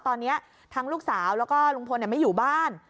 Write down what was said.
ตอนนี้ทั้งลูกสาวแล้วก็ลุงพลไม่อยู่บ้าน